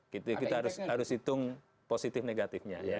kita harus hitung positif negatifnya